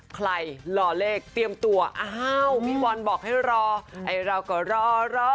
รอเลขเตรียมตัวอ้าวพี่บอลบอกให้รอไอ้เราก็รอรอ